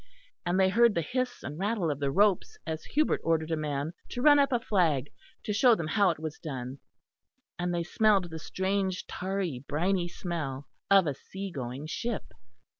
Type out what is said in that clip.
And they heard the hiss and rattle of the ropes as Hubert ordered a man to run up a flag to show them how it was done; and they smelled the strange tarry briny smell of a sea going ship.